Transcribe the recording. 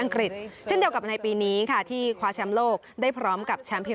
มาร์คเชลบี้ก็คว้าแชมป์โลกในครั้งแรก